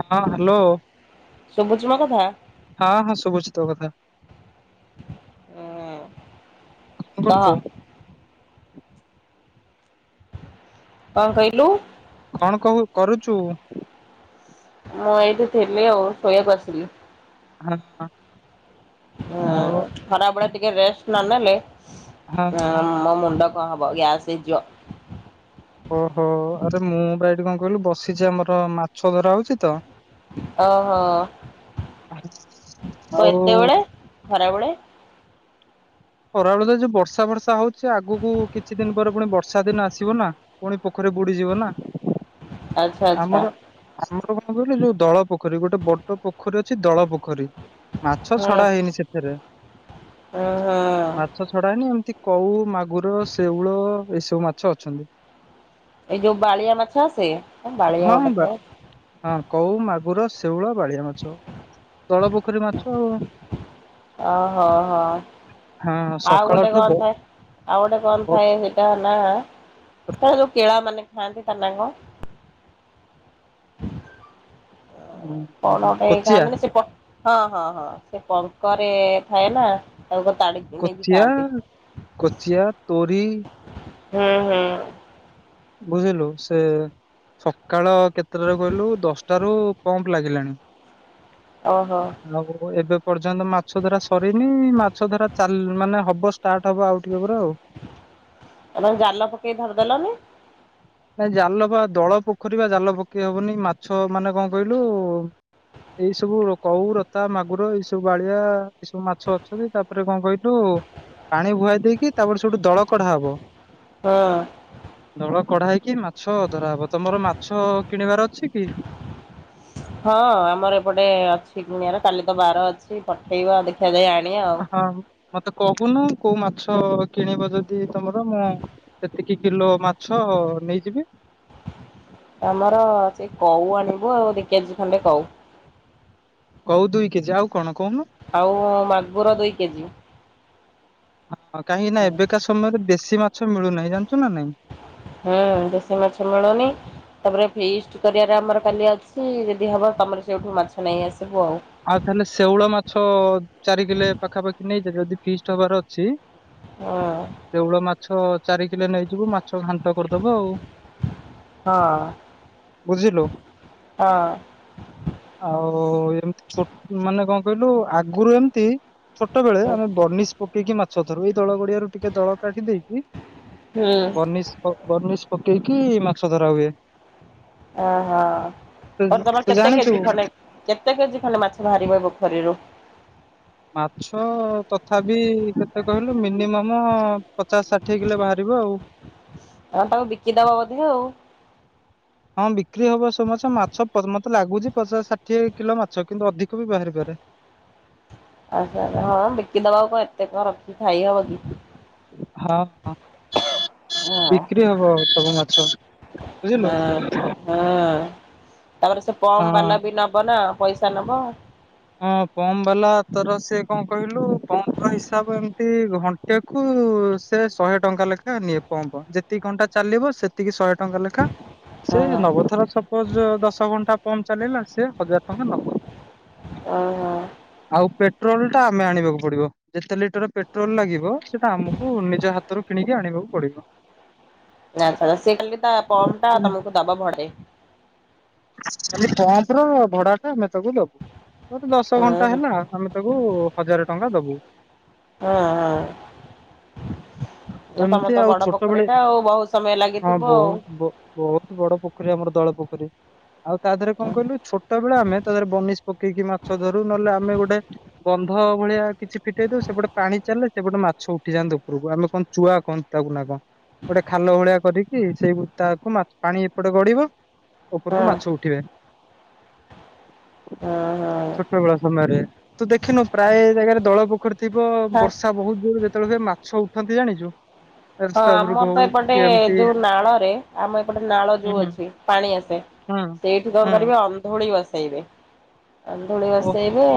ହଁ ହାଲୋ। ଶୁଭୁଚି ମୋ କଥା। ହଁ ହଁ ଶୁଭୁଚି ତୋ କଥା। ଉଁ କଣ କରୁଚୁ? କଁ କହିଲୁ? କଣ କହୁ କରୁଚୁ? ମୁଁ ଏଇଠେ ଥିଲି ଆଉ ଶୋଇଆକୁ ଆସିଲି। ହଁ। ହୁଁ ଆଉ ଖରାବେଳେ ଟିକେ ରେଷ୍ଟ ନ ନେଲେ ହଁ ଆଁ ଉଁ ମୋ ମୁଣ୍ଡ କଁ ହବ ଗ୍ୟାସ୍ ହେଇଯିବ। ଓହୋ ଆରେ ମୁଁ ବା ଏଇଟି କଁ କଇଲୁ ବସିଛି ଆମର ମାଛ ଧରା ହଉଚି ତ। ଓହୋ କଁ ଆଉ ଏତେବେଳେ ଖରାବେଳେ। ଖରାବେଳେ ତ ଯୋଉ ବର୍ଷା ଫର୍ଷା ହଉଚି ଆଗୁକୁ କିଛି ଦିନ ପରେ ପୁଣି ବର୍ଷା ଦିନ ଆସିବ ନା। ପୁଣି ପୋଖରୀ ବୁଡିଯିବ ନା। ଆଚ୍ଛା ଆଚ୍ଛା ଆମର ଆମର କଁ କହିଲୁ ଯୋଉ ଦଳ ପୋଖରୀ ଗୋଟେ ବଡ ପୋଖରୀ ଅଛି ଦଳ ପୋଖରୀ। ମାଛ ଛଡା ହେଇନି ସେଥେରେ। ଓହୋ। ମାଛ ଛଡା ହେଇନି ଏମତି କଉ ମାଗୁର ଶେଉଳ ଏସବୁ ମାଛ ଅଛନ୍ତି। ଏଇ ଯୋଉ ବାଳିଆ ମାଛ ଆସେ। ବାଳିଆ ହଁ ଗୋଟେ ବା। ଥାଏ ହଁ କଉ, ମାଗୁର, ଶେଉଳ, ବାଳିଆ ମାଛ ଦଳ ପୋଖରୀ ମାଛ ଆଉ ଓହୋହୋ ହଁ ଆଉ ଗୋଟେ ସକାଳଠୁ କଣ ବହୁତ ଥାଏ? ଆଉ ଗୋଟେ କଣ ବହୁତ, ଥାଏ ସେଟା ହେଲା, ସେଟା ଯୋଉ କେଳା ମାନେ ଖାଆନ୍ତି ତା ନା କଣ? କଣ ଉଁ ଗୋଟେଇ କୋଚିଆ ଖାଆନ୍ତିନି ସେ ପ ହଁ, ହଁ, ହଁ। ସେ ପଙ୍କରେ ଥାଏ ନା ତାକୁ ଯୋଉ ତାଡିକି ନେଇକି କୋଚିଆ ଖାଆନ୍ତି। କୋଚିଆ, ତୋରି ହୁଁ, ହୁଁ। ବୁଝିଲୁ ସେ ସକାଳ କେତେଟାରୁ କହିଲୁ ଦଶଟାରୁ ପମ୍ପ୍ ଲାଗିଲାଣି। ଅହ। ଏବେ ପର୍ଯ୍ୟନ୍ତ ମାଛ ଧରା ସରିନି। ମାଛ ଧରା ଚାଲ୍ ମାନେ ହବ ଷ୍ଟାର୍ଟ ହବ ଆଉ ଟିକେ ପରେ ଆଉ ଆଉ ନହେଲେ ଜାଲ ପକେଇ ଧରଦେଲନି। ନାଇ ଜାଲ ପା ଦଳ ପୋଖରୀ ଵା ଜାଲ ପକେଇ ହବନି ମାଛ ମାନେ କଁ କହିଲୁ? ଏଇ ସବୁ କଉ, ରତା, ମାଗୁର ଏଇ ସବୁ ବାଳିଆ ଏ ସବୁ ମାଛ ଅଛନ୍ତି ତାପରେ କଁ କହିଲୁ? ପାଣି ଭୁଆ ଦେଇକି ତାପରେ ସେଇଠୁ ଦଳ କଢା ହବ। ହଁ। ଦଳ କଢା ହେଇକି ମାଛ ଧରାହବ ତମର ମାଛ କିଣିବାର ଅଛି କି? ହଁ, ଆମର ଏପଟେ ଅଛି କିଣିଆର କାଲି ତ ବାର ଅଛି ପଠେଇବା ଦେଖିଆ ଯାଇ ଆଣିଆ ଆଉ ହଁ ମତେ କହୁନୁ କୋଉ ମାଛ କିଣିବ ଯଦି ତମର ମୁଁ ସେତିକି କିଲୋ ମାଛ ନେଇଯିବି? ଆମର ଯେ କଉ ଆଣିବୁ ଆଉ ଦି କେଜି ଖଣ୍ଡେ କଉ। କଉ ଦୁଇ କେଜି ଆଉ କଣ କୋଉନୁ? ଆଉ ମାଗୁର ଦୁଇ କେଜି। ହ, କାହିଁକି ନା ଏବେକା ସମୟରେ ବେଶୀ ମାଛ ମିଳୁନାହିଁ ଜାଣଚୁ ନା ନାଇଁ। ହୁଁ, ଦେଶୀ ମାଛ ମିଳୁନି। ତାପରେ ଫିଷ୍ଟ୍ କରିଆରେ ଆମର କାଲି ଅଛି, ଯଦି ହବ ତମର ସେଇଠୁ ମାଛ ନେଇ ଆସିବୁ ଆଉ ଆଉ ତାହେଲେ ଶେଉଳ ମାଛ ଚାରି କିଲେ ପାଖାପାଖି ନେଇଯିଵି, ଯଦି ଫିଷ୍ଟ୍ ହବାର ଅଛି। ହଁ। ଶେଉଳ ମାଛ ଚାରି କିଲେ ନେଇଯିବୁ ମାଛ ଘାଣ୍ଟ କରଦବା ଆଉ, ହଁ ବୁଝିଲୁ? ଆଉ ଏମତି ଛୋଟ୍, ମାନେ କଣ କହିଲୁ ଆଗୁରୁ ଏମତି ଛୋଟୋବେଳେ ହଁ ଆମେ ବନିଶ୍ ପକେଇକି ମାଛ ଧରୁ ଏଇ ଦଳ ଗଡିଆରୁ ଟିକେ ଦଳ କାଟିି ଦେଇକି ହୁଁ ବନିଶ୍ ବନିଶ୍ ପକେଇକି ମାଛ ଧରା ହୁଏ। ଓହୋ ଅର୍ ତମର୍ ତୁ କେତେ ଜାଣିଛୁ କେଜି ଖଣ୍ଡେ, କେତେ କେଜି ଖଣ୍ଡେ ମାଛ ଭାରିବ ଏ ପୋଖରୀରୁ? ମାଛ ତଥାପି କେତେ କହିଲୁ ମିନିମମ ପଚାଶ ଷାଠିଏ କିଲେ ଭାରିବ ଆଉ ଅହ ବିକି ଦବ ବୋଧେ ଆଉ ହଁ, ବିକ୍ରି ହବ ସଵ୍ ମାଛ ମାଛ ମତେ ଲାଗୁଚି ପଚାଶ ଷାଠିଏ କିଲୋ ମାଛ କିନ୍ତୁ ଅଧିକ ବି ବାହାରିପାରେ। ଅହ ହଁ, ଵିକିଦବା କୁ କଣ ଏତେ କଣ ରଖିକି ଖାଇ ହବ କି? ହଁ ହଁ। ହଁ। ବିକ୍ରି ହବ ସବୁ ମାଛ ବୁଝିଲୁ? ହଁ ହଁ, ତାପରେ ସେ ପମ୍ପ୍ ହଁ ବାଲା ବି ନବ ନା ପଇସା ନବ। ହଁ, ପମ୍ପ ବାଲା ତର ସେ କଣ କହିଲୁ ପମ୍ପର ହିସାବ ଏମତି ଘଣ୍ଟା ଘଣ୍ଟାକୁ ସେ ଶହେ ଟଙ୍କା ଲେଖା ନିଏ ପମ୍ପ, ଯେତିକ ଘଣ୍ଟା ଚାଲିବ ସେତ୍ ସେତିକି ଶହେ ଟଙ୍କା ଲେଖା ହଁ ସେ ନବ, ଥର ସବ୍ ସପୋଜ୍, ଦଶ ଘଣ୍ଟା ପମ୍ପ୍ ଚାଲିଲା ସେ ହଜାର ଟଙ୍କା ନବ। ଓ। ଆଉ ପେଟ୍ରୋଲଟା ଆମେ ଆଣିବାକୁ ପଡିବ। ଯେତେ ଲିଟର ପେଟ୍ରୋଲ ଲାଗିବ ସେଟା ଆମକୁ ନିଜ ହାତରୁ କିଣିକି ଆଣିବାକୁ ପଡିବ। ଆଚ୍ଛା ସେ ଖାଲି ତା ପମଟା ତମକୁ ଦବାକୁ ପଡେ। ଖାଲି ପମ୍ପର ଭଡାଟା ଆମେ ତାକୁ ଦୋବୁ ଯଦି ଦଶ ଉଁ ଘଣ୍ଟା ହୁଁ ହୁଁ। ହେଲା ଆମେ ତାକୁ ହଜାରେ ଟଙ୍କା ଦୋବୁ। ଓହୋ। ଆଉ ତମର ଏମିତି ତ ବଡ ଛୋଟବେଳେ ପୋଖରୀଟା ଆଉ ବୋହୁତ ସମୟ ଲାଗିଥିବ। ବୋହୁତ ବଡ ପୋଖରୀ ଆମର ଦଳେ ପୋଖରୀ। ଆଉ ତା ଦେହରେ ହଁ କଣ କହିଲୁ ଛୋଟ ବେଳେ ଆମେ ତା ଦେହରେ ବନିସ ପକେଇକି ମାଛ ଧରୁ ନହେଲେ ଆମେ ଗୋଟେ ଗନ୍ଧ ଭଳିଆ କିଛି ଫିଟେଇ ଦୋଉ ସେପଟେ ପାଣି ଚାଲେ ସେପଟେ ମାଛ ଉଠିଯାଆନ୍ତି ଉପରକୁ ଆମେ କଣ ଚୁଆ କହନ୍ତି ତାକୁ ନା କଣ ଗୋଟେ ଖାଲ ଭଳିଆ କରିକି ସେଇ ତାକୁ ମାଛ୍ ପାଣି ଏପଟେ ଗଢିବ। ଉପରକୁ ହଁ ମାଛ ଉଠିବେ। ହଁ। ଛୋଟ ବେଳ ସମୟରେ ତୁ ଦେଖିନୁ ପ୍ରାୟ ଜାଗାରେ ଦଳ ପୋଖରୀ ଥିବ ହଁ। ବର୍ଷା ବୋହୁତ ଜୋରେ ଯେତୋଳେ ହୁଏ ମାଛ ଉଠନ୍ତି ଜାଣିଚୁ? ହଁ ଆମର ପା ଏପଟେ ଏମିତି ଯୋଉ ନାଳରେ ଆମର ଏପଟେ ନାଳ ଯୋଉ ହୁଁ ଅଛି ପାଣି ଆସେ। ହୁଁ ସେଇଠି କଣ କରିବେ ଅନ୍ଧୁଳି ବସେଇବେ ଅନ୍ଧୁଳି ହୁଁ। ବସେଇବେ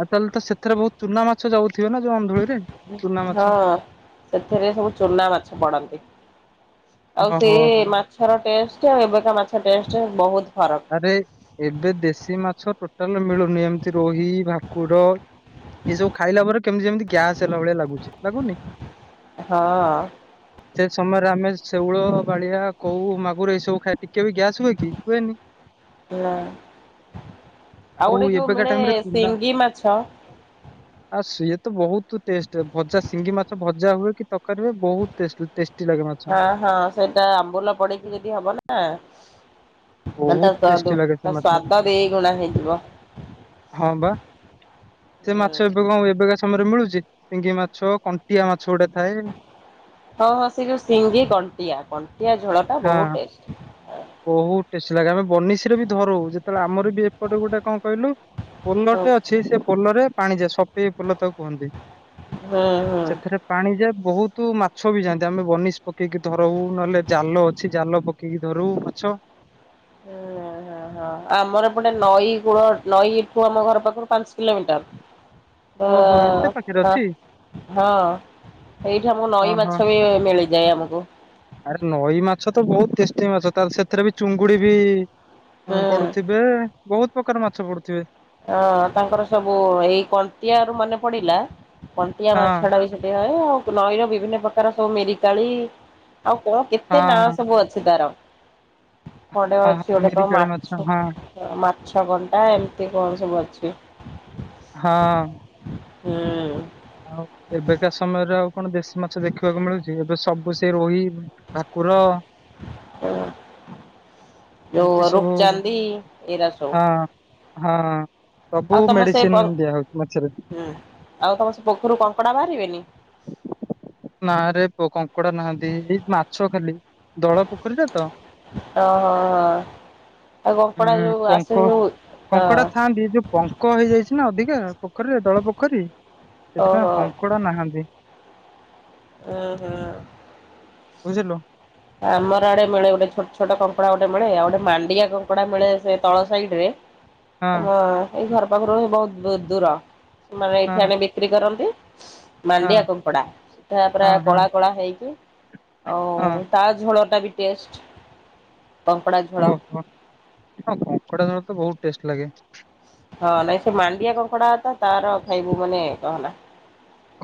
ଆଉ ତାହେଲେ ତ ସେଥିରେ ବୋହୁତ ଚୁନା ମାଛ ଯାଉଥିବେ ନା ଯୋଉ ଅନ୍ଧୁଳିରେ? ଚୁନା ମାଛ ହଁ ସେଥିରେ ସବୁ ଚୁନା ମାଛ ପଡନ୍ତି। ଆଉ ସେ ଓହୋ ହୋ ମାଛର ଟେଷ୍ଟ ଆଉ ଏବେକା ମାଛ ଟଷ୍ଟ ବୋହୁତ ଫରକ। ଆରେ ଏବେ ଦେଶୀ ମାଛ ଟୋଟାଲେ ମିଳୁନି ଏମତି ରୋହି, ଭାକୁର। ଏସବୁ ଖାଇଲା ପରେ କେମତି ଯେମତି ଗ୍ୟାସ୍ ହେଲା ଭଳିଆ ଲାଗୁଚି ଲାଗୁନି? ହଁ। ସେ ସମୟରେ ଆମେ ଶେଉଳ, ବାଳିଆ, କୋଉ, ମାଗୁର ଏଇସବୁ ଖାଏ ଟିକେ ବି ଗ୍ୟାସ ହୁଏ କି ହୁଏନି। ନା ଆଉ ଆଉ ଗୋଟେ ଯୋଉ ଏବେକା ମିଳେ ଟାଇମ ରେ ଚୁନା ଶିଙ୍ଗି ମାଛ। ଆଉ ସିଏ ତ ବୋହୁତୁ ଟେଷ୍ଟେ ଭଜା ସିଙ୍ଗି ମାଛ ଭଜା ହୁଏ କି ତରକାରୀ ହୁଏ ବୋହୁତ ଟେଷ୍ଟ ଟେ ହଁ ହଁ ସେଇଟା ଆମ୍ବୁଲ ପଡିକି ଯଦି ହବ ନା ତାହେଲେ ତା ବହୁତ ତା ଟେଷ୍ଟି ଦୋଉ ଲାଗେ ସେ ତା ମାଛ ସ୍ଵାଦ ଦି ଗୁଣା ହେଇଯିବ। ହଁ ପା। ସେ ହୁଁ ମାଛ ଏବେ କୋଉ ଏବେକା ସମୟରେ ମିଳୁଚି ସିଙ୍ଗି ମାଛ, କଣ୍ଟିଆ ମାଛ ଗୋଟେ ଥାଏ। ହଁ ହଁ ସେ ଯୋଉ ସିଙ୍ଗି କଣ୍ଟିଆ, କଣ୍ଟିଆ ଝୋଳଟା ବୋହୁତ ଟେଷ୍ଟ। ବୋହୁତ ଟେଷ୍ଟି ଲାଗେ ଆମେ ବନିଶୀରେ ବି ଧରୋଉ ଯେତେଳେ ଆମର ବି ବି ଏପଟେ ଗୋଟେ କଣ କହିଲୁ ହଁ ପୋଲଟେ ଅଛି ସେ ପୋଲରେ ପାଣି ଯାଏ ସପେଇ ପୋଲ ତାକୁ କୁହନ୍ତି। ହୁଁ ହୁଁ। ସେଥିରେ ପାଣି ଯାଏ ବୋହୁତୁ ମାଛ ବି ଯାଆନ୍ତି ଆମେ ବନିଶ ପକେଇକି ଧରୋଉ ନହେଲେ ଜାଲ ଅଛି ଜାଲ ପ ଇକି ଧରୁ ମାଛ। ହୁଁଁ ଅହଁ। ଅହଁ ଆମର ଏପଟେ ନଈ କୂଳ ନଈଠୁ ଆମ ଘର ପାଖରୁ ପାଞ୍ଚ କିଲୋମିଟର। ଦ ଓହୋ ଏତେ ପାଖରେ ତ ଅଛି ହଁ ଏଇଠି ଆମକୁ ନଈ ଓହୋ। ମାଛ ବି ମିଳିଯାଏ ଆମକୁ। ଆରେ ନଈ ମାଛ ତ ବୋହୁତ ଟେଷ୍ଟି ମାଛ ତାହେଲେ ସେ ଏଥିରେ ବି ଅଁ ଚୁଙ୍ଗୁଡି ବି ହୁଁ। ପଡୁଥିବେ ବୋହୁତ ପ୍ରକାର ମାଛ ପଡୁଥିବେ। ଅଁ ତାଙ୍କର ସବୁ ଏଇ କଣ୍ଟିଆରୁ ମନେ ପଡିଲା କଣ୍ଟିଆ ହଁ ମାଛଟା ବି ସେଠି ଥାଏ ଆଉ ନଈର ବିଭିନ୍ନ ପ୍ରକାର ସବୁ ମେରିକାଳି ଆଉ କଣ କେତେ ହଁ ନାଁ ହଁ। ସବୁ ଅଛି ତାର କଣ୍ଟେ ହଁ ଅଛି ହଁ ଗୋଟେ କଣ ମିରିକାଳି ମାଛ ହଁ ମାଛ କଣ୍ଟା ଏମିତି କଣ ସବୁ ଅଛି। ହଁ। ହୁଁ। ଆଉ ଏବେକା ସମୟରେ ଆଉ କଣ ବେଶୀ ମାଛ ଦେଖିବାକୁ ମିଳୁଛି ଏବେ ସବୁ ସେ ରୋହି ଭାକୁର ଯଉ ଏମିତି ସବୁ ରୁଖଚାନ୍ଦି ଏରା ସଉ। ହଁ ହଁ, ସବୁ ତମ ସେ ପ ମେଡିସିନ ଦିଆ ହଉଛି ମାଛରେ। ହୁଁ ଆଉ ତମ ସେ ପୋଖରରୁ କଙ୍କଡ଼ା ବାହାରିବେନି? ନା ରେ ପୁଅ, କଙ୍କଡା ନାହାନ୍ତି, ଏଇ ମାଛ ଖାଲି, ଦଳ ପୋଖରୀରେ ତ। ଓହ ହଁ, ଆଉ କଙ୍କଡା ଉଁ ଯୋଉ ଆସେ ପଙ୍କ ଯୋଉ ହଁ କଙ୍କଡା ଥାଆନ୍ତି ଯୋଉ ପଙ୍କ ହେଇଯାଇଛି ନା ଅଧିକା ପୋଖରୀରେ ଦଳ ପୋଖରୀ ସେଥିପାଇଁ ଓହୋ କଙ୍କଡା ନାହାନ୍ତି। ଓ ହୋ ବୁଝିଲୁ? ଆମର ଆଡେ ମିଳେ ଗୋଟେ ଛୋଟ ଛୋଟ କଙ୍କଡା ଗୋଟେ ମିଳେ, ଆଉ ଗୋଟେ ମାଣ୍ଡିଆ କଙ୍କଡା ମିଳେ ସେ ତଳ ସାଇଡ ରେ ହଁ ତମ ଏଇ ଘର ପାଖରୁ ହ ବହୁତହୁ ଦୂର ସେମାନେ ହଁ ଏଇଠି ବିକ୍ରି କରନ୍ତି। ହଁ ମାଣ୍ଡିଆ କଙ୍କଡା, ସେଠା ପୁରା ହଁ ହଁ କଳା କଳା ହେଇକି ଆଉ ହଁ ତା ଝୋଳଟା ବି ଟେଷ୍ଟ। କଙ୍କଡ଼ା ଝୋଳ ଅହ, କିନ୍ତୁ କଙ୍କଡା ମତେ ବହୁତ ଟେଷ୍ଟ ଲାଗେ। ହଁ ନାଇଁ ସେ ମାଣ୍ଡିଆ କଙ୍କଡା ତ ତାର ଖାଇବୁ ମାନେ କହନା।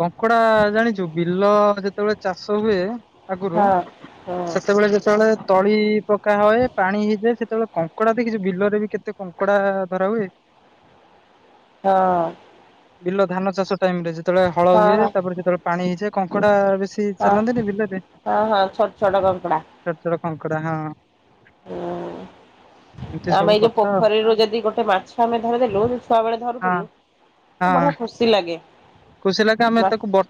କଙ୍କଡା ଜାଣିଛୁ ବିଲ ଯେ ଯେତେବେଳେ ଚାଷ ହୁଏ ଆଗରୁ ହଁ ହଁ ସେତେବେଳେ ଯେତେବେଳେ ତଳି ପକା ହୁଏ ପାଣି ହେଇଯାଏ, ସେତେବେଳେ କଙ୍କଡା ଦେଖିଛୁ, ବିଲରେ ବି କେତେ କଙ୍କଡା ଧରା ହୁଏ। ହଁ ଅ। ବିଲ ଧାନ ଚାଷ ଟାଇମ ରେ ସେତେବେଳେ ହଳ ହୁଏ, ହଁ ତାପରେ ସେତେବେଳେ ପାଣି ହେଇଯାଏ, କଙ୍କଡା ବେଶୀ ହଁ ଚାଲନ୍ତିନି ବିଲରେ। ହଁ ହଁ ଛୋଟ ଛୋଟ କଙ୍କଡା। ଛୋଟ ଛୋଟ କଙ୍କଡ଼ା ହଁ। ହୁଁ ଉଁ। ଏମିତି ଆମେ ସବୁ ଏଇ ଯୋଉ କଥା ପୋଖରୀରୁ ଯଦି ଗୋଟେ ମାଛ ଆମେ ଧରିଦେଲୁ ଯଉ ଛୁଆ ବେଳେ ଆଉ ଧରୁଥିଲୁ ହଁ ଅଁ। [unintelligible] ଲାଗେ। କୁସିିଲ ଲାଗେ ଆମେ ହଁ ତାକୁ ବ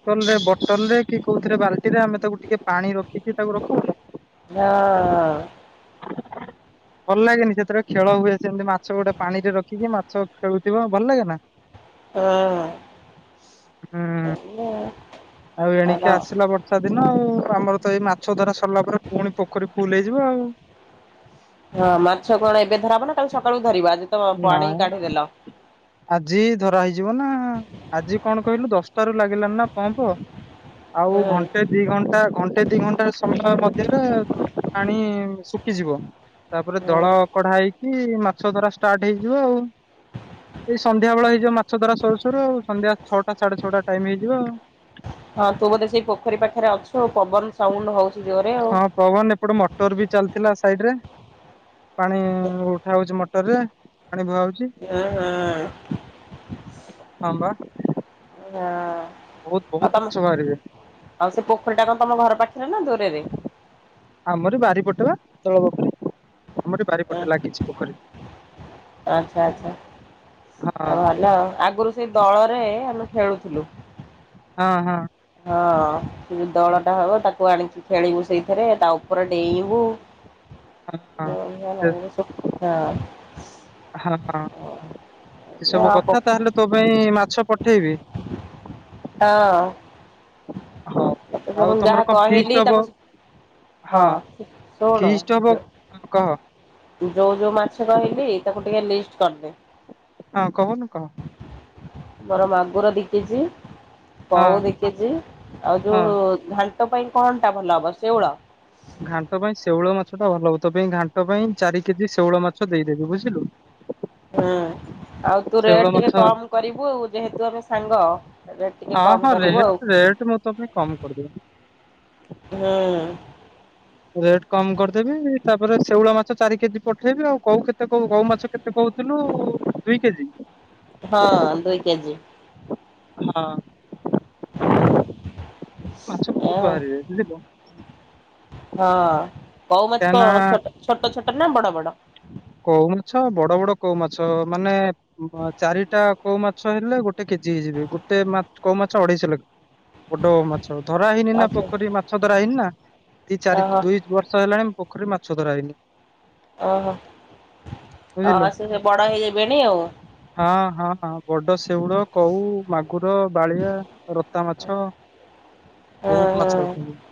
ବଟନ ରେ କି କୋଉଥିରେ ବାଲ୍ଟି ରେ ଆମେ ତାକୁ ଟିକେ ପାଣି ରଖିକି ତାକୁ ରଖୁୁନୁ। ହଁ ଭଲ ଲାଗେନି, ସେଥିରେ ଖେଳ ହୁଏ ସେମିତି ମାଛ ଗୋଟେ ପାଣିରେ ରଖିକି ମାଛ ଖେଳୁଥିବ ଭଲ ଲାଗେ ନା? ହଁ ହୁଁ ଉଁ [inaudible] ଆଉ ଏଣିକି ହଁ ଆସିଲା ବ ବର୍ଷାଦିନ ଆଉ, ଆମର ତ ଏଇ ମାଛ ଧରା ସରିଲା ପରେ ପୁଣି ପୋଖରୀ ଫୁଲ ହେଇଯିବ ଆଉ। ହଁ ମାଛ କଣ ଏବେ ଧରା ହଵ ନା, କାଲି ସକାଳୁ ଧରିବ, ଆଜି ତ ପାଣି ନାଇଁ କାଢିଦେଲ? ଆଜି ଧରା ହେଇଯିବ ନା, ଆଜି କଣ କହିଲୁ ଦଶଟାରୁ ଲାଗିଲାନ ନା ପମ୍ପ। ଆଉ ହୁଁ ଘଣ୍ଟେ ଦି ଘଣ୍ଟା ଘଣ୍ଟେ ଦି ଘଣ୍ଟା ସମୟ ମଧ୍ୟରେ ପାଣି ଶୁଖିଯିବ। ତାପରେ ହୁଁ ଦଳ କଢା ହେଇକି, ମାଛ ଧରା ଷ୍ଟାର୍ଟ ହେଇଯିବ ଆଉ। ଏଇ ସନ୍ଧ୍ୟା ବେଳ ହେଇଯିବ ମାଛ ଧରା ସରୁ ସରୁ, ଆଉ ସନ୍ଧ୍ୟା ଛଟା ସାଢେ ଛଅଟା ଟାଇମ ହେଇଯିବ ଆଉ। ହଁ ତୁ ବୋଧେ ସେଇ ପୋଖରୀ ପାଖରେ ଅଛୁ, ପବନ ସାଉଣ୍ଡ ହଉଛି ଜୋରେ ଆଉ। ହଁ ପବନ ଏପଟେ ମଟର ବି ଚାଲିଥିଲା ସାଇଡ ରେ, ପାଣି ଉଠା ହଉଛି ମ ରେ ପାଣି ବୁହା ହଉଛି। [unintelligible] ହଁ ହଁ ବା। [unintelligible] ବହୁତ ଆଉ ବହୁତ ତମେ, ମାଛ ବାହାରିବେ ଆଉ ସେ ପୋଖରୀ ଟା କଣ ତମ ଘର ପାଖରେ ନା ଦୂରରେ? ଆମର ବାରି ପଟେବା ତଳ ପଟେ। ଆମର ବାରିପଟେ ଲାଗିଛି ପୋଖରୀ। ଆଚ୍ଛା ଆଚ୍ଛା ହଁ ଭଲ ଆଉ ଆଗରୁ ସେଇ ଦଳରେ ଆମେ ଖେଳୁଥୁଲୁ। ହଁ ହଁ। ହଁ, ସେ ଯୋଉ ଦଳଟା ହବ, ତାକୁ ଆଣିକି ଖେଳିବୁ, ସେଇଥିରେ ତା ଉପରେ ଡେଇଁବୁ। ହଁ। ସେ ହଁ [unintelligible] ସେ ସବୁ କଥା ତାହେଲେ ତୋ ପାଇଁ ମାଛ ପଠେଇବି। ହଁ। ହଉ। ତତେ ତ ଆଉ ମୁଁ ତମର ଯାହା କଣ ଫିଷ୍ଟ କହିଲି ହବ ତା ହଁ ହଁ ଶୁଣୁ ଫିଷ୍ଟ ହବ ହଁ, କହ ଯୋଉ-ଯୋଉ ମାଛ କହିଲି ତାକୁ ଟିକେ ଲିଷ୍ଟ କରିଦେ। ହଁ, କହୁନୁ କହ। ମୋର ମାଗୁର ଦି କେଜି ହଁ କଉ ଦି ଆଉ ହଁ। ଯୋଉ ଘାଣ୍ଟ ପାଇଁ କଣ ଟା ଭଲ ହବ ଶେଉଳ। ଘାଣ୍ଟ ପାଇଁ ଶେଉଳ ମାଛ ଟା ଭଲ ହଉଥିବ। ତୋ ପାଇଁ ଘାଣ୍ଟ ପାଇଁ ଚାରି କେଜି ଶେଉଳ ମାଛ ଦେଇଦେବି ବୁଝିଲୁ। ହୁଁ, ଆଉ ତୁ ଶେଉଳ ରେଟ୍ ମାଛ ଟିକେ କମ କରିବୁ ଆଉ ଯେହେତୁ ଆମେ ସାଙ୍ଗ। ରେଟ୍ ଟିକେ ହଁ କମ ହଁ କରିବୁ ଆଉ ରେଟ-ରେଟ ମୁଁ ତୋ ପାଇଁ କମ କରିଦେବି। ହୁଁ। ରେଟ୍ କମ କରିଦେବି। ତାପରେ ଶେଉଳ ମାଛ ଚାରି କେଜି ପଠେଇବି, ଆଉ କଉ କେତେ କଉ କୋଉ ମାଛ କେତେ କହୁଥିଲୁ ଦୁଇ କେଜି। ହଁ, ଦୁଇ କେଜି। ହଁ, ହୁଁ ମାଛ ଏ ବହୁତ ବାହାରିବେ। ବୁଝିଲୁ। ହଁ, କଉ ମାଛ କାହିଁକି ନା କଣ ଛୋଟ-ଛୋଟ ନା ବଡ-ବଡ। କଉ-ମାଛ ବଡ-ବଡ କଉ ମାଛ ମାନେ। ଚାରିଟା କୋଉ ମାଛ ହେଲେ ଗୋଟେ କେଜି ହେଇଯିବେ, ଗୋଟେ କୋଉ ମାଛ ଅଢେଇଶହ ବଡ଼ ମାଛ ଧରା ହେଇନି ନା ଆଛା ପୋଖରୀ ମାଛ ଧରା ହେଇନି ନା ଦି ଚାରି ଓହୋ ଦୁଇ ଦୁଇ ବର୍ଷା ହେଲାଣି ପୋଖରୀ ମାଛ ଧରାଇନି। ଓହୋ, ଅ ବୁଝିଲୁ ସେ ସେ ବଡ ହେବେନି ଆଉ। ହଁ ହଁ ବଡ ଶେଉଳ, କଉ, ମାଗୁର ବାଳିଆ, ରତା-ମାଛ ହୁଁ ବହୁତ ମାଛ ହୁଁ ଅଛନ୍ତି।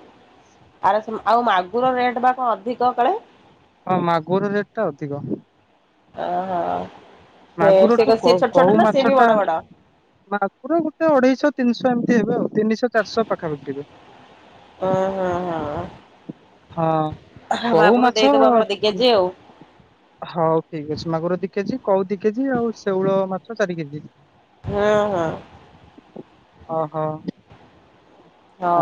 ଆରେ ଆଉ ମାଗୁର ରେଟ୍ ବା କଣ ଅଧିକ କାଳେ। ହଁ ମାଗୁର ର ରେଟ୍ ଟା ଅଧିକ। ଅହ ସେ ସିଏ ମାଗୁରଠୁ କ କଉ ଛୋଟ-ଛୋଟ ନା ମାଛ ସିିଏ ବି ଟା ବଡ ବଡ। ମାଗୁର ଗୋଟେ ଅଢେଇଶହ, ତିନିଶହ ଏମିତି ହେବେ ଆଉ ତିନିଶହ ଚାରିଶ ପାଖାପାଖି ହେବେ। ଅହ ହ ହଁ। କଉ ବାବୁର ମାଛ ଦେଇଦବୁ ଆମର ଦି କେଜି ଆଉ। ହଉ ଠିକ୍ ଅଛି, ମାଗୁର ଦି କେଜି, କଉ ଦି କେଜି, ଆଉ ଶେଉଳ ମାଛ ଚାରି କେଜି। ହଁ ହଁ। ଅ ହ। ହଁ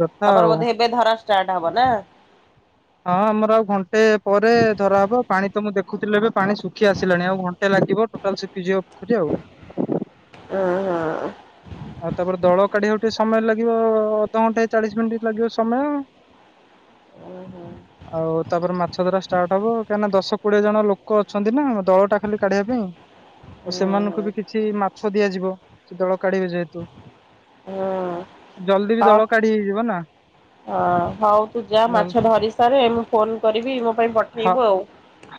କଥା ତମର ଆଉ ହଁ ବୋଧେ ଏବେ ଧରା ଷ୍ଟାର୍ଟ ହବ ନା? ହଁ ଆମର ଆଉ ଘଣ୍ଟେ ପରେ ଧରାହବ। ପାଣି ତ ମୁଁ ଦେଖୁଥିଲି, ଏବେ ପାଣି ଶୁଖି ଆସିଲାଣି ଆଉ ଘଣ୍ଟେ ଲାଗିବ ଟୋଟାଲ ଶୁଖିଯିବ ପୋଖରୀ ଆଉ। ଅଁ ହଁ। ଆଉ ତାପରେ ଦଳ କାଢିବାକୁ ଟିକେ ସମୟ ଲାଗିବ ଅଧଘଣ୍ଟେ ଚାଳିଶ ମିନିଟ ଲାଗିବ ସମୟ। ଉଁ ହୁଁ ଆଉ ତାପରେ ମାଛ ଧରା ଷ୍ଟାର୍ଟ ହବ କାଇଁ ନା ଦଶ କୋଡିଏ ଜଣ ଲୋକ ଅଛନ୍ତି ନା ଦଳଟା ଖାଲି କାଢିବା ପାଇଁ, ଆଉ ହୁଁ ସେମାନଙ୍କୁ ବି କିଛି ମାଛ ଦିଆଯିବ, ସେ ଦଳ କାଢିବେ ଯେହେତୁ ହୁଁ ହୁଁ। ଜଲଦି ବି ଦଳ କାଢି ହେଇଯିବ ନା। ହ। ହଁ, ହଉ ତୁ ଯା ମାଛ ଧରି ସାରେ ମୁଁ ଫୋନ କରିବି ମୋ ପାଇଁ ହ ପଠେଇବୁ ଆଉ।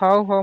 ହଉ ହଉ।